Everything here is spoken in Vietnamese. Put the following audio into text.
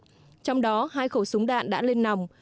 trong đó hai khẩu súng đạn đã lên nòng